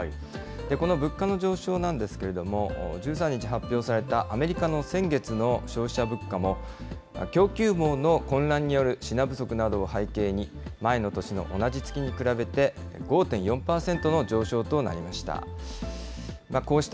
この物価の上昇なんですけれども、１３日発表されたアメリカの先月の消費者物価も、供給網の混乱による品不足などを背景に、前の年の同じ月に比べて５．４％の上昇となりました。